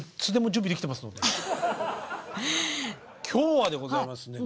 今日はでございますね